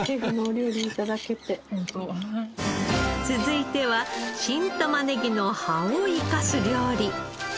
続いては新玉ねぎの葉を生かす料理。